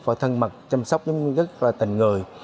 và thân mật chăm sóc rất là tình người